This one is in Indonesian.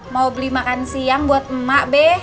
mau beli makan siang buat emak be